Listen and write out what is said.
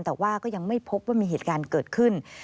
แต่ว่าก็ยังไม่พบว่ามีเหตุการณ์เกิดขึ้น